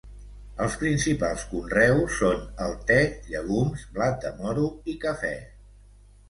Els principals conreus són el te, llegums, blat de moro i cafè.